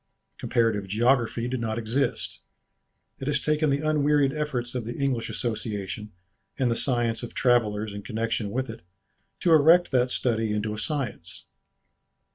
Comparative geography did not exist. It has taken the unwearied efforts of the English Association and the science of travellers in connexion with it to erect that study into a science.